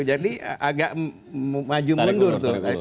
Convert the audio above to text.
jadi agak maju mundur